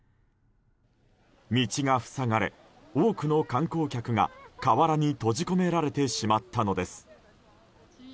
道が塞がれ、多くの観光客が河原に閉じ込められてしまったのです。